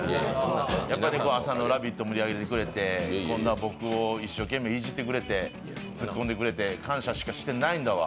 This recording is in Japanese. やっぱり朝の「ラヴィット！」盛り上げてくれて、こんな僕を一生懸命いじってくれて、ツッコんでくれて、感謝しかしてないんだわ。